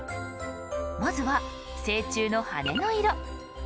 まずは成虫の羽の色。